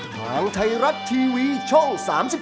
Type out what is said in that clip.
ทางไทยรัฐทีวีช่อง๓๒